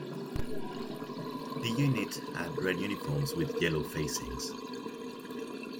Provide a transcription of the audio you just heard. The unit had red uniforms with yellow facings.